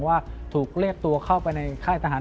ว่าถูกเรียกตัวเข้าไปในค่ายทหาร